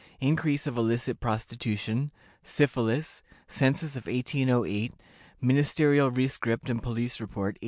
Increase of illicit Prostitution. Syphilis. Census of 1808. Ministerial Rescript and Police Report, 1809.